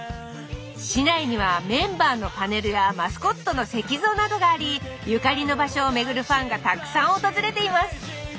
市内にはメンバーのパネルやマスコットの石像などがありゆかりの場所を巡るファンがたくさん訪れています。